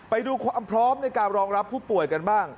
ไปดูความพร้อมในการรองรับผู้ป่วยกันบ้าง